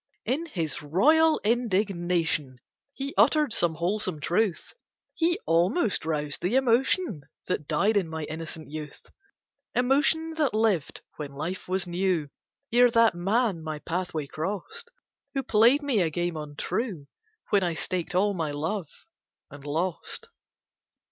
In his royal indignation He uttered some wholesome truth He almost roused the emotion That died in my innocent youth; Emotion that lived when life was new, Ere that man my pathway crossed, Who played me a game untrue, When I staked all my love, and lost.